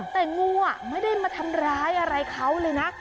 แต่งูไม่ได้มาทำร้ายอะไรเขาเลยนะ